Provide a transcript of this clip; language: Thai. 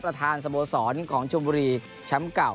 ประถานสโบสรของชวบุรีแชมป์เก่า